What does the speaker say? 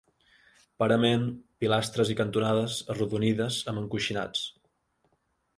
Parament, pilastres i cantonades arrodonides amb encoixinats.